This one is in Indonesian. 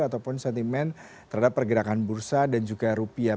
ataupun sentimen terhadap pergerakan bursa dan juga rupiah